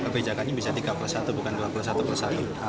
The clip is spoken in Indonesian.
bejakannya bisa tiga plus satu bukan dua plus satu plus satu